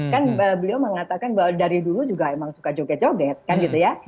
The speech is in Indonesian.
kan beliau mengatakan bahwa dari dulu juga emang suka joget joget kan gitu ya